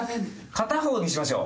片方にしましょう。